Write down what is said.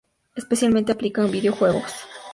Especialmente se aplica en videojuegos.